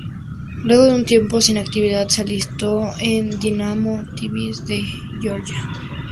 Luego de un tiempo sin actividad se alistó en Dinamo Tbilisi, de Georgia.